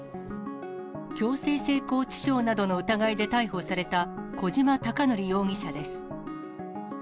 強制性交致傷などの疑いで逮捕された、小島貴紀容疑者です。